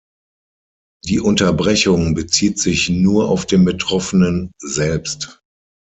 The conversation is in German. Die Unterbrechung bezieht sich nur auf den Betroffenen selbst.